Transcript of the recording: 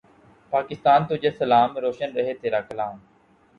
پاکستان تجھے سلام۔ روشن رہے تیرا کلام